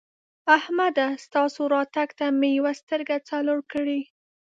احمده! ستاسو راتګ ته مې یوه سترګه څلور کړې.